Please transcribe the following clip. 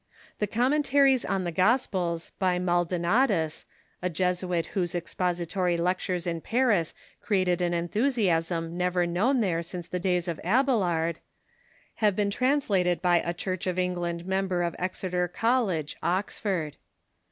The " Commentaries on the Gospels " by Maldonatus, a Jesuit whose expository lectures in Paris created an enthusiasm never known there since the days of Abelard, have been translated by a Church of England member of Exeter College, Oxford.